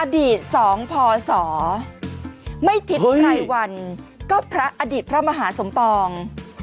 อดีตสองพศไม่ทิศใครวันก็พระอดีตพระมหาสมปอง